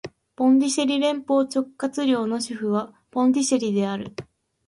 ポンディシェリ連邦直轄領の首府はポンディシェリである